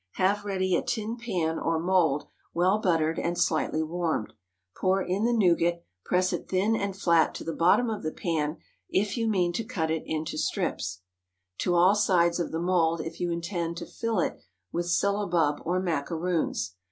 Have ready a tin pan or mould, well buttered and slightly warmed. Pour in the nougat; press it thin and flat to the bottom of the pan if you mean to cut into strips; to all sides of the mould if you intend to fill it with syllabub or macaroons.